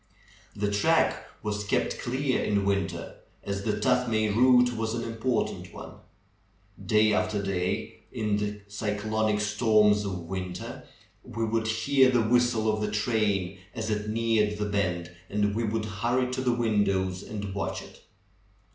The track was kept clear in winter, as the Tuthmay route was an important one. Day after day in the cy clonic storms of winter, we would hear the whistle of the train as it neared the bend, and we would hurry to the windows and watch it.